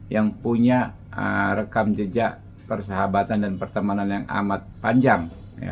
yang punya rekam jejak persahabatan dan pertemanan yang amat panjang